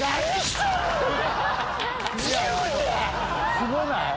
すごない？